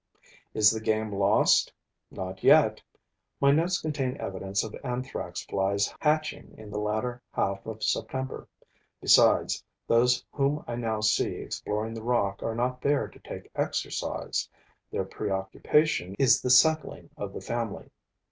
Is the game lost? Not yet. My notes contain evidence of Anthrax flies hatching in the latter half of September. Besides, those whom I now see exploring the rock are not there to take exercise: their preoccupation is the settling of the family.